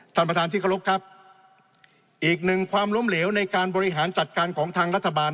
ท่านประธานที่เคารพครับอีกหนึ่งความล้มเหลวในการบริหารจัดการของทางรัฐบาล